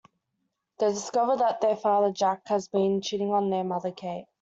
They discover that their father, Jack, has been cheating on their mother, Kate.